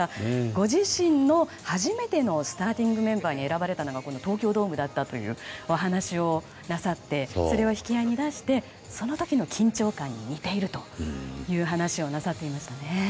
ご自身の初めてのスターティングメンバーに選ばれたのが東京ドームだったというお話をなさってそれを引き合いに出してその時の緊張感に似ていると話していましたね。